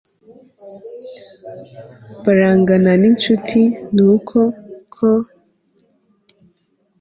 barangana n'incuti ni uko, ko